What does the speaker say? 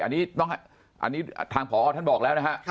อันนี้ทางขออาท่านบอกแล้วนะครับ